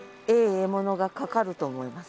獲物がかかると思います。